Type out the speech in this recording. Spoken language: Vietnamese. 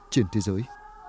trên thế giới